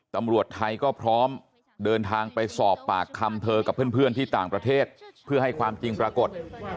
ตำรวจไทยก็พร้อมเดินทางไปสอบปากคำเธอกับเพื่อนที่ต่างประเทศเพื่อให้ความจริงปรากฏ